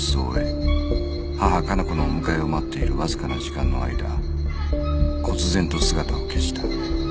母加奈子のお迎えを待っているわずかな時間の間忽然と姿を消した